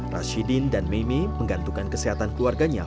rashidin dan meme menggantungkan kesehatan keluarganya